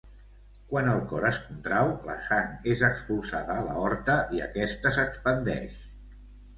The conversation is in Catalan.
Quan el cor es contrau, la sang és expulsada a l'aorta i aquesta s'expandeix.